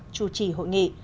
chủ trì hội nghị